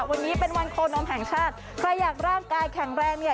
วันนี้เป็นวันโคนมแห่งชาติใครอยากร่างกายแข็งแรงเนี่ย